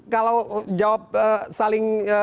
kalau jawab saling